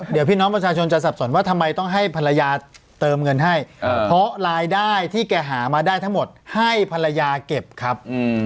เดี๋ยวพี่น้องประชาชนจะสับสนว่าทำไมต้องให้ภรรยาเติมเงินให้เพราะรายได้ที่แกหามาได้ทั้งหมดให้ภรรยาเก็บครับ